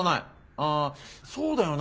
ああそうだよな。